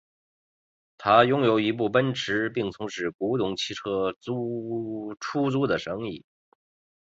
他拥有一部奔驰并从事古董汽车出租的生意。